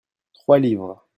trois livres.